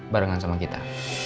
barengan sama kita